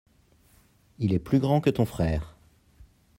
Il est plus grand que ton frère.